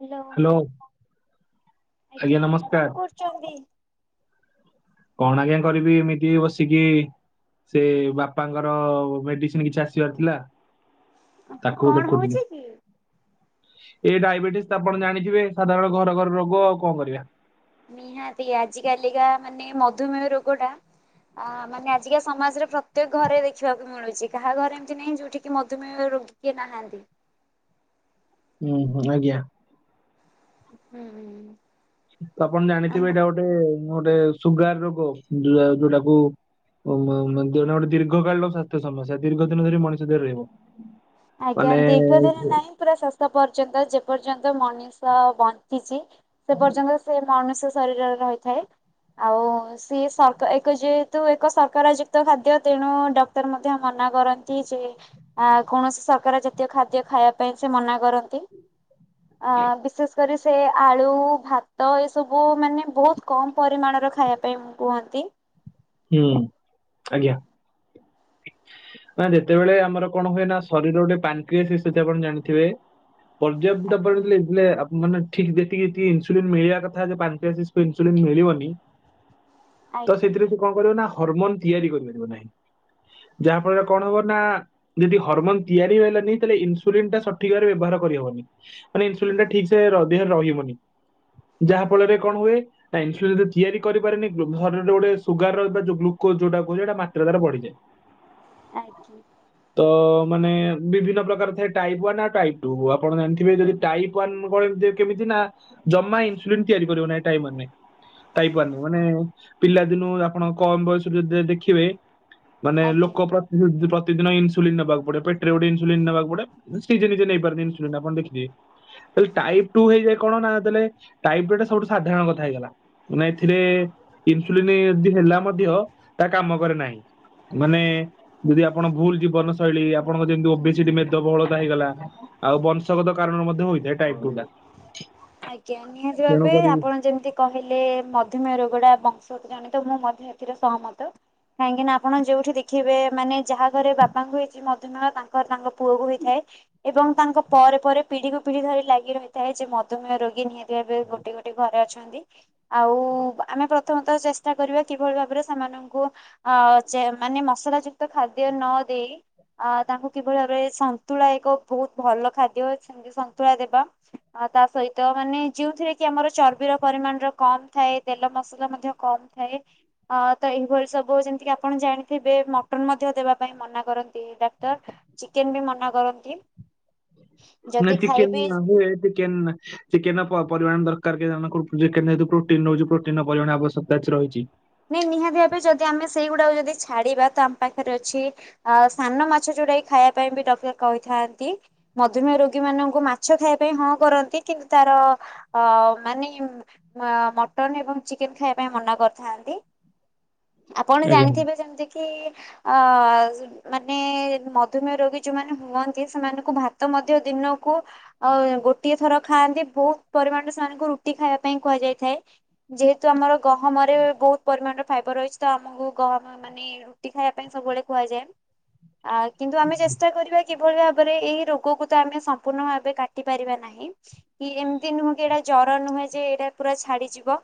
Hello hello ଆଜ୍ଞା ନମସ୍କାର। ଚନ୍ଦି। କଣ ଆଜ୍ଞା କରିବି ଏମିତି ବସିକି ସେ ବାପାଙ୍କର ମେଡିସିନ କିଛି ଆସିବାର ଥିଲା ତାକୁ କଣ ଦେଖୁଥିଲି। ହଉଛି କି? ଏଇ ଡାଇବେଟିସ୍ ତ ଆପଣ ଜାଣିଥିବେ ସାଧାରଣ ଘର ଘର ରୋଗ ଆଉ କଣ କରିବା। ନିହାତି ଆଜି କାଲିକା ମାନେ ମଧୁମେହ ରୋଗ ଟା ଅ ମାନେ ଆଜିକା ସମାଜରେ ପ୍ର ପ୍ରତ୍ୟେକ ଘରେ ଦେଖିବାକୁ ମିଳୁଛି କାହା ଘରେ ଏମିତି ନାହିଁ ଯୋଉଠି କିି ମଧୁମେହ ରୋଗୀ କିଏ ନାହାନ୍ତି। ହୁଁ ହୁଁ ଆଜ୍ଞା। ହୁଁ ହୁଁ। ତ ଆପଣ ଜାଣିଥିବେ ଏଇଟା ଗୋଟେ ଗୋଟେ ସୁଗାର ରୋଗ ଯୋଉଟାକୁ ଓ ଗୋଟେ ଦୀର୍ଘକାଳୀନ ସ୍ୱାସ୍ଥ୍ୟ ସମସ୍ୟା ଦୀର୍ଘ ଦିନ ଧରି ମଣିଷ ଦେହରେ ରହିବ। ଆଜ୍ଞା ମାନେ ଦୀର୍ଘ ଦିନ ନାହିଁ ପୁରା ଶେଷ ପର୍ଯ୍ୟନ୍ତ ଯେ ପର୍ଯ୍ୟନ୍ତ ମଣିଷ ବଞ୍ଚିଛି ସେ ପର୍ଯ୍ୟନ୍ତ ସେ ମଣିଷ ଶରୀରରେ ରହିଥାଏ ଆଉ ସି ସର ଏକ ଯେହେତୁ ଏକ ସକାର ଯୁକ୍ତ ଖାଦ୍ୟ ତେଣୁ ଡକ୍ଟର ମଧ୍ୟ ମନା କରନ୍ତି ଯେ ଆ କୌଣସି ସକାର ଜାତୀୟ ଖାଦ୍ୟ ଖାଇବା ପାଇଁ ସେ ମନା କରନ୍ତି। ଅ ବିଶେଷ କରି ସେ ଆଳୁ ଭାତ ଏସବୁ ମାନେ ବହୁତ କମ୍ ପରିମାଣର ଖାଇବା ପାଇଁ କୁହନ୍ତି ହୁଁ ଆଜ୍ଞା। ନା ଯେତେବେଳେ ଆମର କଣ ହୁଏ ନା ଶରୀର ଗୋଟେ ପାନକ୍ରିଆଷ ଆପଣ ଜାଣିଥିବେ ପର୍ଯ୍ୟାପ୍ତ ଆଜ୍ଞା ପଡ଼ିଯାଇଥିଲେ ମାନେ ଠିକ୍ ଯେତିିକି ଯେତିକି ଇନସୁଲିନ୍ ମିଳିବା କଥା ଯେ ପାଞ୍ଚ ଆଶି ଇନ୍ସୁଲିନ୍ ମିଳିବନି ତ ଆଜ୍ଞା ସେଥିରେ ସେ କଣ କରିବ ନା ହରମୋନ ତିଆରି କରିପାରିବ ନାହିଁ। ଯାହା ଫଳରେ କଣ ହବ ନା ଯଦି ହରମୋନ ତିଆରି ହେଲାନି ତାହେଲେ ଇସୁଲିନ ଟା ସଠିକ ଭାବରେ ବ୍ୟବହାର କରିହବନି ମାନେ ଇନ୍ସୁଲିନ୍ ଟା ଠିକ୍ ସେ ଦେହରେ ରହିବନି। ଯାହା ଫଳରେ କଣ ହୁଏ, ଇନ୍ସୁଲିନ ତିଆରି କରିପାରେନି ଶରୀରେ ଗୋଟେ ସୁଗାର ଯୋଉଟା ଗ୍ଲୁକୋଜ ଯୋଉଟା ମାତ୍ରା ତାର ବଢିଯାଏ। ଆଜ୍ଞା। ତ ମାନେ ବିଭିନ୍ନ ପ୍ରକାର ଥାଏ ଟାଇପ୍ ୱାନ୍ ଆ ଟାଇପ୍ ଟୁ ଆପଣ ଜାଣିଥିବେ ଯଦି ଟାଇପ୍ ୱାନ କେମିତି ନା ଜମା ଇନ୍ସୁଲିନ ତିଆରି କରିବ ନାହିଁ ଟାଇପ୍ ୱାନ ରେ ଟାଇପ୍ ୱାନ ମାନେ ପିଲା ଦିନୁ ଆପଣ କମ ବୟସ ଯଦି ଦେଖିବେ ମାନେ ଆଜ୍ଞା। ଲୋକ ପ୍ରତି ପ୍ରତିଦିନ ଇନ୍ସୁଲିନ ନେବାକୁ ପଡ଼ିବ, ପେଟରେ ଗୋଟେ ଇନ୍ସୁଲିନ ନେବାକୁ ପଡେ। ସେଇ ନିଜେ ନିଜେ ନେଇପାରନ୍ତି ଇନ୍ସୁଲିନ ଆପଣ ଦେଖିଥିବେ। ଟାଇପ୍ ଟୁ ହେଇଯାଏ କଣ ନା, ଦେଲେ ଟାଇପ୍ ଟୁ ଟା ସବୁ ସାଧାରଣ କଥା ହେଇଗଲା। ମାନେ ଏଥିରେ ଇନ୍ସୁଲିନ ଯଦି ହେଲା ମଧ୍ୟ ତା କାମ କରେ ନାହିଁ। ମାନେ ଯଦି ଆପଣ ଭୁଲ ଜୀବନ ଶୈଳୀ ଆପଣଙ୍କର ଯେମିତି ଓବେସି ମେଦବହୁଳତା ହେଇଗଲା। ଆଉ ବଂଶଗତ କାରଣରୁ ମଧ୍ୟ ହୋଇଥାଏ ଟାଇପ ଟୁ ଟା ଆଜ୍ଞା ନିହାତି ଭାବେ ତେଣୁକରି ଆପଣ ଯେମିତି କହିଲେ ମଧୁମେହ ରୋଗଟା ବଂଶତ ଜଣିତ ମୁଁ ମଧ୍ୟ ଏଥିରେ ସହମତ। କାହିଁକି ନା ଆପଣ ଯୋଉଠି ଦେଖିବେ ମାନେ ଯାହା ଘରେ ବାପାଙ୍କୁ ହେଇଛି ମଧୁମେହ ତାଙ୍କ ତାଙ୍କ ପୁଅକୁ ହୋଇଥାଏ ଏବଂ ତାଙ୍କ ପରେ ପରେ ପିଢିକୁ ପିଢି ଧରି ଲାଗି ରହିଥାଏ ଯେ ତୁମେ ରୋଗୀ ନିହାତି ଏବେ ଗୋଟେ ଗୋଟେ ଘରେ ଅଛନ୍ତି। ଆଉ ଆମେ ପ୍ରଥମତଃ ଚେଷ୍ଟା କରିବା କିଭଳି ଭାବରେ ସେମାନଙ୍କୁ ଅ ମାନେ ମସଲା ଯୁକ୍ତ ଖାଦ୍ୟ ନଦେଇ ଆ ତାଙ୍କୁ କିଭଳି ଭାବରେ ସନ୍ତୁଳା ଏକ ବହୁତ ଭଲ ଖାଦ୍ୟ ଅଛି। ସନ୍ତୁଳା ଦେବା ଆ ତା ସହିତ ମାନେ ଯେଉଁଥିରେ କି ଆମର ଚର୍ବିର ପରିମାଣ ର କମ ଥାଏ ତେଲ ମସଲା ମଧ୍ୟ କମ ଥାଏ ଅ ତ ଏଇଭଳି ସବୁ ଯେମିତି କି ଆପଣ ଜାଣିଥିବେ ମଟନ ମଧ୍ୟ ଦେବା ପାଇଁ ମନା କରନ୍ତି ଡାକ୍ତର ଚିକେନ ବି ମନା କରନ୍ତି। ଯଦି ନାଇଁତି କେ ଖାଇବେ ଚିକେନ ଚିକେନ ର ପରିମାଣ ଦରକାର ଯେହେତୁ ପ୍ରୋଟିନ ରହୁଛି ପ୍ରୋଟିନ ର ପରିମାଣ ଅବଶ୍ୟକତା ରହିଛି। ନାଇଁ ନିହାତି ଭାବେ ଯଦି ଆମେ ସେଇଗୁଡାକ ଯଦି ଛାଡିବା ତ ଆମ ପାଖରେ ଅଛି ଅ ସାନ ମାଛ ଯୋଉଟାକି ଖାଇବା ପାଇଁ ବି ଡକ୍ଟର କହିଥାନ୍ତି। ମଧୁମେହ ରୋଗୀ ମାନଙ୍କୁ ମାଛ ଖାଇବା ପାଇଁ ହଁ କରନ୍ତି କିନ୍ତୁ ତାର ଅ ମାନେ ମା ମଟନ୍ ଏବଂ ଚିକେନ ଖାଇବା ପାଇଁ ମନା କରି। ଥାନ୍ତି ଆପଣ ଆଜ୍ଞା ଜାଣିଥିବେ ଯେମିତି କିି ଅ। ମାନେ ମଧୁମେହ ରୋଗୀ ଯୋଉମାନେ ହୁଅନ୍ତି ସେମାନଙ୍କୁ ଭାତ ମଧ୍ୟ ଦିନକୁ। ଆଉ ଗୋଟିଏ ଥର ଖାଆନ୍ତି ବହୁତ ପରିମାଣରେ ସେମାନଙ୍କୁ ରୁଟି ଖାଇବା ପାଇଁ କୁହାଯାଇଥାଏ। ଯେହେତୁ ଆମର ଗହମରେ। ବହୁତ ପରିମାଣର ଫାଇବର ରହିଛି ତ ଆମକୁ ଗହମ ମାନେ ରୁଟି ଖାଇବା ପାଇଁ ସବୁବେଳେ କୁହାଯାଏ। ଆ କିନ୍ତୁ ଆମେ ଚେଷ୍ଟା କରିବା। କିଭଳି ଭାବରେ ଏଇ ରୋଗକୁ ତ ଆମେ ସମ୍ପୂର୍ଣ୍ଣ ଭାବେ କାଟି ପାରିବା ନାହିଁ। କି ଏମିତି ନୁହେଁ କି ଏଇଟା ଜର ନୁହେଁ ଯେ ଏଇଟା ପୁରା ଛାଡିଯିବ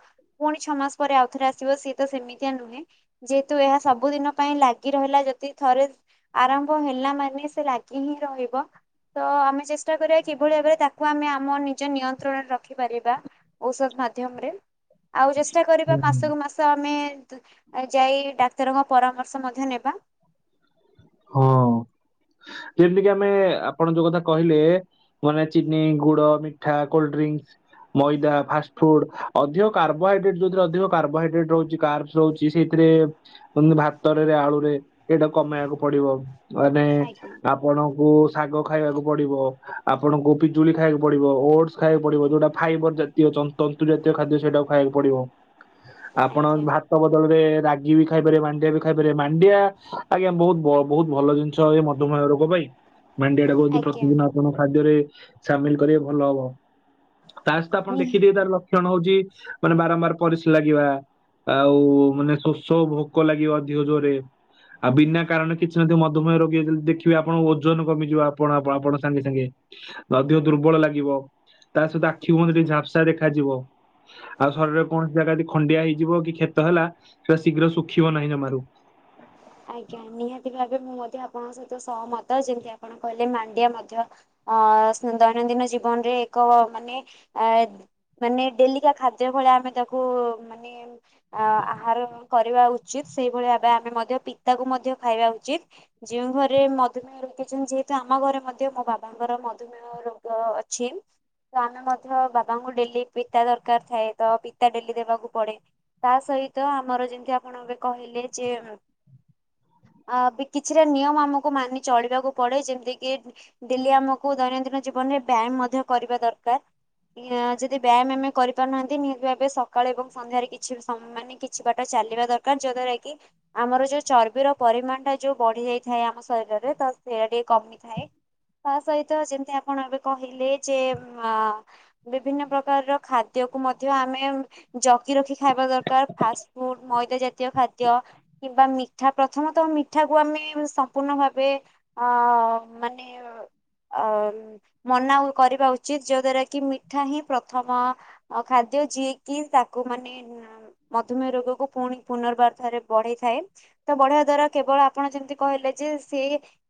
ପୁଣି ଛଅ ମାସ ପରେ ଆଉଥରେ ଆସ। ସିବ ସିଏ ତ ସେମିତିଆ ନୁହେଁ ଯେହେତୁ ଏହା ସବୁ ଦିନ ପାଇଁ ଲାଗି ରହିଲା ଯଦି ଥରେ। ଆରମ୍ଭ ହେଲା ମାନେ ସେ ଲାଗି ହିଁ ରହିବ। ତ ଆମେ ଚେଷ୍ଟା କରିବା କିଭଳି ଭାବରେ ତାକୁ ଆମେ ଆମ ନିଜ ନିୟନ୍ତ୍ରଣରେ ରଖିପାରିବା। ଔଷଧ ମାଧ୍ୟମରେ ଆଉ ଚେଷ୍ଟା କରିବା ମାସକୁ ମାସ। ତ ଆମେ ଯାଇ ଡାକ୍ତରଙ୍କ ପରାମର୍ଶ ମଧ୍ୟ ନେବା। ହଁ ଯେମିତିକି ଆମେ ଆପଣ ଯୋଉ କଥା କହିଲେ। ମାନେ ଚିନି ଗୁଡ ମିଠା କୋଲ୍ଡ୍ରିଙ୍କସ। ମଇଦା ଫାଷ୍ଟଫୁଡ ଅଧିକ କାର୍ବୋହାଇଡ୍ରେଟ୍ ଯୋଥିରେ ଅଧିକ କାର୍ବୋହାଇଡ୍ରେଟ ରହୁଛି କର୍ଶ। ରହୁଛି ସେଇଥିରେ ଭାତରେରେ ଆଳୁରେ ଏଇଟା କମେଇବାକୁ। ପଡିବ ମାନେ ଆଜ୍ଞା ଆପଣଙ୍କୁ ଶାଗ ଖାଇବାକୁ ପଡିବ। ଆପଣ ଗୋପିଜୁଳି ଖାଇବାକୁ ପଡିବ ଓଟସ ଖାଇବାକୁ ପଡିବ ଯୋଉଟା ଫାଇବର ଜାତୀୟନ୍ତ। ଜାତୀୟ ଖାଦ୍ୟ ସେଇଟାକୁ ଖାଇବାକୁ ପଡିବ ଆପଣ। ଆଜ୍ଞା। ତ ବଦଳରେ ରାଗି ବି ଖାଇପାରେ ମାଣ୍ଡିଆ ବି ଖାଇପାରେ ମାଣ୍ଡିଆ ଆଜ୍ଞା ବହୁତ। ବହୁତ ଭଲ ଜିନିଷ ଏ ମଧୁମେହ ରୋଗ ପାଇଁ ମେଣ୍ଡିଆଡା କର ଯି ଆଜ୍ଞା ପ୍ରତିଦିନ। କଣ ଖାଦ୍ୟରେ ସାମିଲ କରିବେ ଭଲ ହବ ତା ସହିତ ଆପଣ ନି ଦେଖିଦେ ତାର ଲ। ଜନ୍ମ ହଉଛି ମାନେ ବାରମ୍ବାର ପରିସ୍ରା ଲାଗିବା। ଆଉ ମାନେ ଶୋସ ଭୋକ ଲାଗିବ ଦେିହ ଜୋରରେ ଆଉ ବିନା କାରଣ। କିଛି ନାହା ମଧୁମେହ ରୋଗୀ ଯଦି ଦେଖିବେ ଆପଣ ଓଜନ କମିଯିବ ଆପଣ ଆପଣ ସାଙ୍ଗେ ସାଙ୍ଗେ। ଅଧିକ ଦୁର୍ବଳ ଲାଗିବ ତା ସହିତ ଆଖି ମଧ୍ୟଧ ଟିକେ ଝାପ୍ସା ଦେଖାଯିବ। ଆଉ ଶରୀରରେ କୌଣସି ଜାଗା ଯଦି ଖଣ୍ଡିଆ ହେଇଯିବ କି କ୍ଷତ ହେଲା ସେଟା ଶୀଘ୍ର ଶୁଖିବ ନାହିଁ ଜମାରୁ। ଆଜ୍ଞା ନିହାତି ଭାବେ ମୁଁ ମଧ୍ୟ ଆପଣଙ୍କ ସହିତ ସହମତ ଯେମିତି ଆପଣ କହିଲେ ମାଣ୍ଡିଆ ମଧ୍ୟ। ଅ ଦୈନନ୍ଦିନ ଜୀବନରେ ଏକ ମାନେ ଏ। ମାନେ ଡେଲିିକା ଖାଦ୍ୟ ଭଳିଆ ଆମେ ତାକୁ ମାନେ। ଅ ଆହାର କରିବା ଉଚିତ ସେଇଭଳି ଭାବେ ଆମେ ମଧ୍ୟ ପିତାକୁ ମଧ୍ୟ ଖାଇବା ଉଚିତ। ଯେୋଉଁ ଘରେ ମଧୁମେହ ରଖିଛନ୍ତି ଯେହେତୁ ଆମ ଘରେ ମଧ୍ୟ ମୋ ବାବାଙ୍କର ମଧୁମେହ। ରୋଗ ଅଛି। ତ ଆମେ ମଧ୍ୟ ବାବାଙ୍କୁ ଡେଲି ପିତା ଦରକାର ଥାଏ ତ ପିତା ଡେଲି ଦେବାକୁ ପଡେ। ତା ସହିତ ଆମର ଯେମିତି ଆପଣ ଏବେ କହିଲେ ଯେ। ଆ କିଛିଟା ନିୟମ ଆମକୁ ମାନି ଚଳିବାକୁ ପଡେ ଯେମିତି କିି ଡେଲି ଆମକୁ ଦୈନନ୍ଦିନ। ଜୀବନରେ ବ୍ୟାୟାମ ମଧ୍ୟ କରିବା ଦରକାର। ଯଦି ବ୍ୟାୟାମ ଆମେ କରିପାରୁନାହାନ୍ତି ନିହାତି ଭାବେ ସକାଳ ଏବଂ ସନ୍ଧ୍ୟାରେ କିଛି ସମୟ ମାନେ କିଛି ବାଟ ଚାଲିବା ଦରକାର। ଦର ଯାଦ୍ଵାରା କି ଆମର ଯୋଉ ଚର୍ବିର ପରିମାଣ ଟା ଯୋଉ ବଢି ଯାଇଥାଏ ଆମ ଶରୀରରେ ତ। ସେଇଟା ଟିକେ କମିଥାଏ ତା ସହିତ ଯେମିତି ଆପଣ ଏବେ କହିଲେ ଯେଆ। ବିଭିନ୍ନ ପ୍ରକାରର ଖାଦ୍ୟକୁ ମଧ୍ୟ ଆମେ। ଜକି ରଖି ଖାଇବା ଦରକାର ଫାଷ୍ଟ ଫୁଡ ମଇଦା ଜାତୀୟ ଖାଦ୍ୟ କିମ୍ବା ମି। ମିଠା ପ୍ରଥମତଃ ମିଠାକୁ ଆମେ ସମ୍ପୂର୍ଣ୍ଣ ଭାବେ ଅ ମାନେ। ଅ ମନା କରିବା ଉଚିତ ଯୋ ଦ୍ଵାରା କି ମିଠା ହିଁ ପ୍ରଥମ। ଆଉ ଖାଦ୍ୟ ଯିଏ କିି ତାକୁ ମାନେ। ମଧୁମେହ ରୋଗ କ ପୁଣି ପୁନର୍ବାର ରେ ବଢେଇଥାଏ ତ ବଢଆ ଦ୍ଵାରା କେବଳ ଆପଣ ଯେମିତି କହିଲେ ଯେ ସେ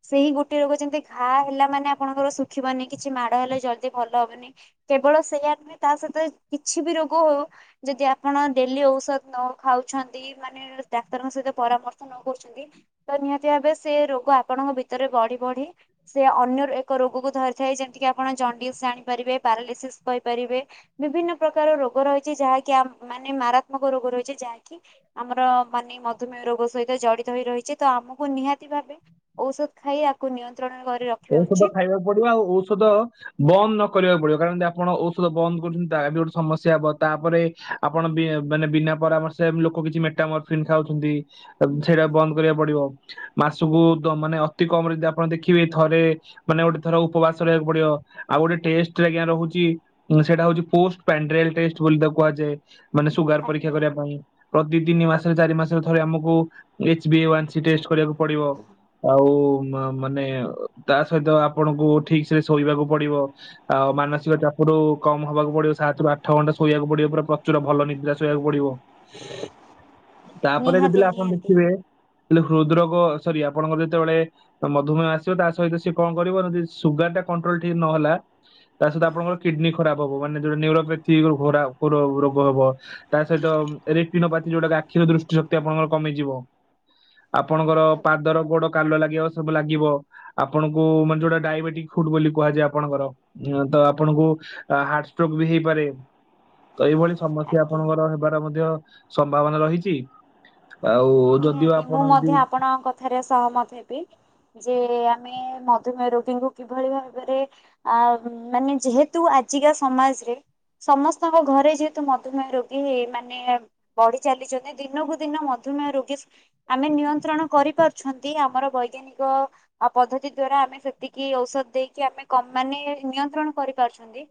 ସେଇ ଗୋଟେ ରୋଗ ଯେମିତି ଘା ହେଲା ମାନେ ଆପଣଙ୍କର ଶୁଖିବନି କିଛି ମାଡ଼ ହେଲେ ଜଲ୍ଦି ଭଲ ହବନି କେବଳ ସେୟା ନୁହେଁ ତା ସହିତ କିଛି ବି ରୋଗ ହଉ ଯଦି ଆପଣ ଡେଲି ଔଷଧ ନ ଖାଉଛନ୍ତି ମାନେ ଡାକ୍ତରଙ୍କ ସହିତ ପରାମର୍ ନ କରୁଛନ୍ତି ତ ନିହାତି ଭାବେ ସେ ରୋଗ ଆପଣଙ୍କ ଭିତରେ ବଢି ବଢି ସେ ଅନ୍ୟ ଏକ ରୋଗକୁ ଧରିଥାଏ ଯେମିତିକି ଆପଣ ଜଣ୍ଡିସ୍ ଜାଣିପାରିବେ ପାରାଲିସିସ୍ କହିପାରିବେ ବିଭିନ୍ନ ପ୍ରକାର ରୋଗ ରହିଛି ଯାହାକି ଆ ମାନେ ମାରାତ୍ମକ ରୋଗ ରହିଛି ଯାହାକି ଆମର ମାନେ ମଧୁମେହ ରୋଗ ସହିତ ଜିତ ରହିଛି ତ ଆମକୁ ନିହାତି ଭା ଔଷଧ ଖାଇକୁ ନିୟନ୍ତ୍ରଣ ର ଔଷଧ ଖାଇବାକୁ ପଡିବ ଆଉ ଔଷଧ ବନ୍ଦ ନ କରିବାକୁ ପଡିବ କାରଣ ଯଦ ଆପଣ ଔଷଧ ବନ୍ଦ କରୁଛନ୍ତି ତା ବି ଗୋଟେ ସମସଯ୍ୟା ହବ ତାପରେ ଆପଣ ମାନେ ବିନା ପରେ ଆମର ସେ ଲୋକ କିଛି ମେଟା ମରଫନ୍ ଖାଉଛନ୍ତି ସେଇଟା ବନ୍ଦ କରିବାକୁ ପଡିବ ମାସକୁ ମାନେ ଅତି କମରେ ଯଦି ଆପଣ ଦେଖିବେ ଥରେ ମାନେ ଗୋଟେ ଥର ଉପବାସ ରହିବାକୁ ପଡିବ ଆଉ ଗୋଟେ ଟେଷ୍ଟରେ ଆଜ୍ଞା ରହୁଛି ସେଟା ହଉଛି ପୋଷ୍ଟ ପଲ କୁହାଯାଏ ମାନେ ସୁଗାର ପରୀକ୍ଷା ଆଜ୍ଞା। କରିବା ପାଇଁ। ପ୍ରତି ତିନି ମାସରେ ଚାରି ମାସରେ ଥରେ ଆମକୁ ଏଚ କରିବାକୁ। ପଡିବ ଆଉ ମାନେ। ତା ସହିତ ଆପଣଙ୍କୁ ଠିକ ସେରେ ଶୋଇବାକୁ ପଡିବ ଆଉ ମାନସିକ ଚାପ ରୁ କମ ହବାକୁ ପଡିବ ସାତ ରରୁ ଆଠ ଘଣ୍ଟା ଶୋଇବାକୁ ପଡିବ ପୁରା ପ୍ରଚୁର ଭଲ ନିର୍ଦ ଶକୁ ପଡିବ ତାପରେ ଯଦ ନିହାତି ଆପଣ ନିହାତି ଦେଖିବେ ହେଲେ ହୃଦ ରୋଗ ସରି ଆପଣଙ୍କର ଯେତେବେଳେ ମଧୁମେହ ତା ସହିତ ସିଏ କଣ କରିବ ଯଦି ସୁଗାର ଟା କଣ୍ଟ୍ରୋଲ ଠିକ ନହେଲା ତା ସହିତ ଆପଣଙ୍କର କିଡନୀ ଖରାପ ହବ ମାନେ ଯୋଟ ନିୁରୋକ୍ ଘ ରୋଗ ହବ ତା ସହିତ ରେଟିନୋତି ଯୋଉଟାକ ଆଖିର ଦୃଷ୍ଟି ଶକ୍ତି ଆପଣଙ୍କର କମିଯିବ ଆପଣଙ୍କର ପାଦର ଗୋଡ କାଲ ଲାଗିବ ସବୁ ଲାଗିବ ଆପଣଙ୍କୁ ମାନେ ଯୋଉଟା ଡାଇବେଟିକ ଫୁଡ ବୋଲି କୁହାଯାଏ ଆପଣଙ୍କର ତ ଆପଣଙ୍କୁ ଆ ହାର୍ଟ ଷ୍ଟ୍ରକ୍ ବି ହେଇପାରେ ତ ଏଇଭଳି ସମସ୍ୟା ଆଜ୍ଞା। ଆପଣଙ୍କର ହେବାର ମଧ୍ୟ ସମ୍ଭାବନା ରହିଛି ଆଉ ଯଦିଓ ନିହାତି ମୁଁ ଆପଣ ଯଦି ମଧ୍ୟ ଆପଣଙ୍କ କଥାରେ ସହମତ ହେବି ଯେ ଆମେ ମଧୁମେହ ରୋଗୀଙ୍କୁ କିଭଳି ଭାବରେ ଆ ମାନେ ଯେହେତୁ ଆଜିକା ସମାଜରେ ସମସ୍ତଙ୍କ ଘରେ ଯେହେତୁ ମଧୁମେହ ରୋଗୀ ମାନେ ବଢି ଚାାଲିଛନ୍ତି ଦିନକୁ ଦିନ ମଧୁମେହ ରୋଗୀ ଆମେ ନିୟନ୍ତ୍ରଣ କରିପାରୁଛନ୍ତି ଆମର ବୈଜ୍ଞାନିକ ଆଉ ପଦ୍ଧତି ଦ୍ଵାରା ଆମେ ସେତିକି ଔଷଧ ଦେଇକି ଆମେ କମ ମାନେ ନିୟନ୍ତ୍ରଣ କରିପାରୁଛନ୍ତି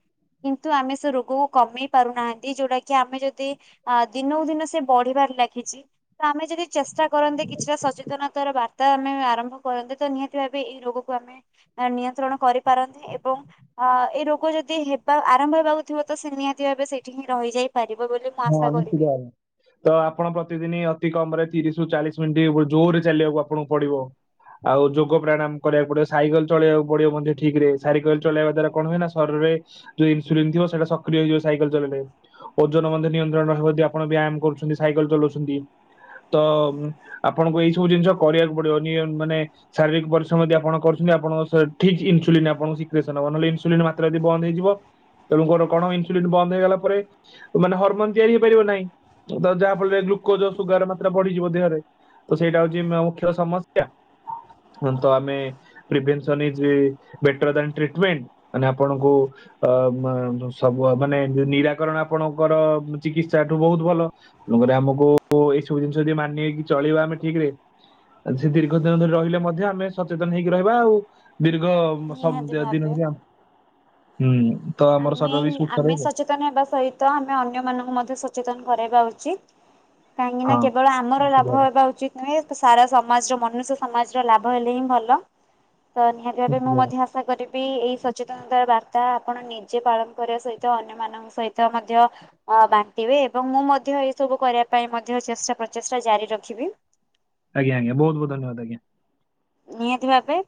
କିନ୍ତୁ ଆମେ ସେ ରୋଗକୁ କମେଇ ପାରୁନାହାନ୍ତି ଯଉଟା କି ଆମେ ଯଦି ଆ ଦିନକୁ ଦିନ ସେ ବଢିବାରେ ଲାଗିଛି ତ ଆମେ ଯଦି ଚେଷ୍ଟା କରନ୍ତେ କିଛିଟା ସଚେତନତାାର ବାର୍ତ୍ତା ଆମେ ଆରମ୍ଭ କରନ୍ତେ ତ ନିହାତି ଭାବେ ଏଇ ରୋଗକୁ ଆମେ ନିୟନ୍ତ୍ରଣ କରିପାରନ୍ତି ଏବଂ ଅ ଏଇ ରୋଗ ଯଦି ହେବା ଆରମ୍ଭ ହେବାକୁ ଥିବ ତ ସେ ନିହାତି ଭାବେ ସେଇଠି ହିଁ ରହିଯଏ ପାରିବ ବୋଲି ମୁଁ ହଁ ଆଶା କରିବି। ନିଶ୍ଚିତ ଭଲା ତ ଆପଣ ପ୍ରତିଦିନ ଅତି କମ ରେ ତିରିଶ ରୁ ଚାଳିଶ ମିନିଟ୍ ଜୋର ରେ ଚାଲିବାକୁ ଆପଣଙ୍କୁ ପଡିବ ଆଉ ଯୋଗ ପ୍ରାଣାମ କରିବାକୁ ପଡିବ ସାଇକେଲ ଚଳେଇକୁ ପଡିବ ମଧ୍ୟ ଠିକ ରେ ସାଇକେଲ ଚଳେଇ ଦ୍ଵା କଣ ହୁଏ ନା ଶରୀରରେ ଯୋଉ ଇନ୍ସୁରାନ୍ସ ଥ ସେଟା ସକ୍ରିୟଇଯିବ ସାଇକେଲ ଚଲେଇଲେ ମଧ୍ୟ ନିୟନ୍ତ୍ରଣ ରହିବ ଯଦି ଆପଣ ବୟାମ କରୁଛନ୍ତି ସାଇକେଲ ଚଲାଉଛନ୍ତି ତ ଆପଣଙ୍କୁ ଏଇ ସବୁ ଜିନିଷ କରିବାକୁ ପଡିବ ମାନେ ଶାରୀରିକ ପରିଶ୍ରମ ଯଦି ଆପଣୁଛନ୍ତିପଣ ଠିକ ଇନ୍ସୁଲିନ୍ ଆପଣଙ୍କୁେ ନବ ନହେଲେ ଇନ୍ସୁଲିନ୍ ମାତ୍ରାି ବନ୍ଦ ହେଇଯିବ ତେଣୁଙ୍କର କଣ ଇନ୍ସୁଲିନ୍ ବନ୍ଦ ହେଇଗଲା ପରେ ମାନେ ହରମୋନ ତିଆରି ହେଇପାରିବ ନାହିଁ ତ ଯାହା ଫଳରେ ଗ୍ଲୁକୋଜ ଆଜ୍ଞା। ସୁଗାରେ ସେଟା ବଢିଯିବ ଦେହରେ ତ ସେଇଟା ହଉଛି ମୁଖ୍ୟ ସମସ୍ୟା ତ ଆମେ prevention is better than treatment ମାନେ ଆପଣଙ୍କୁ ଅ ସବୁ ମାନେ ନିରାକରଣ ଆପଣଙ୍କର ଚିକିତ୍ସା ଠୁ ବହୁତ ଭଲ। ତେଣୁକରି ଆମକୁ ଏଇ ସବୁ ଜିନିଷ ଯଦି ମାନିକି ଚଳିବା ଆମେ ଠିକ ରେ ସେ ଦୀର୍ଘ ଦିନ ଧରି ରହିଲେ ମଧ୍ୟ ଆମେ ସଚେତନ ହେଇକି ରହିବା ଆଉ। ଦୀର୍ଘ ନିହାତି ସବ ଦିନ ଭାବେ। ହୁଁ ତ ଆମର ଆମେ ଶରୀର ବି ସୁସ୍ଥ ଆମେ ରହିବ। ସଚେତନ ହେବା ସହିତ ଆମେ ଅନ୍ୟମାନଙ୍କୁ ମଧ୍ୟ ସଚେତନ କରାଇବା ଉଚିତ। କାହିଁକି ନା ହଁ କେବଳ ଆମର ନିଶ୍ଚିତ ଲାଭ ଭାବେ, ହେବା ଉଚିତ ନାଇ ସାରା ସମାଜର ମନୁଷ୍ୟ ସମାଜର ଲାଭ ହେଲେ ହିଁ ଭଲ ତ ନିହାତି ଭାବେ ମୁଁ ମଧ୍ୟ ଆଶା କରିବି ଏଇ ସଚେତନତାର ବାର୍ତ୍ତା ଆପଣ ନି ନିଜେ ପାଳନ କରିବା ସହିତ ଅନ୍ୟମାନଙ୍କ ସହିତ ମଧ୍ୟ ଅ ବାଣ୍ଟିବେ ଏବଂ ମୁଁ ମଧ୍ୟ ଏସବୁ କରିବା ପାଇଁ ମଧ୍ୟ ଚେଷ୍ଟା ପ୍ରଚେଷ୍ଟା ଜାରି ରଖିବି। ଆଜ୍ଞା ଆଜ୍ଞା ବହୁତ ବହୁତ ଧନ୍ୟବାଦ ଆଜ୍ଞା। ନିହାତି ଭାବେ।